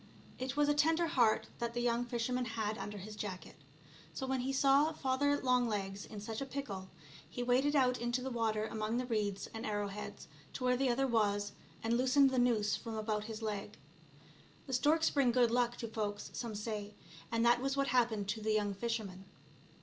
It was a tender heart that the young fisherman had under his jacket, so when he saw Father Longlegs in such a pickle he waded out into the water, among the reeds and arrowheads to where the other was, and loosened the noose from about his leg. The storks bring good luck to folks some people say, and that was what happened to the young fisherman.